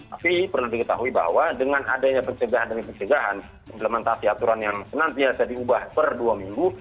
tapi perlu diketahui bahwa dengan adanya pencegahan dan pencegahan implementasi aturan yang senantiasa diubah per dua minggu